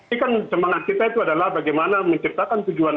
ini kan semangat kita itu adalah bagaimana menciptakan tujuan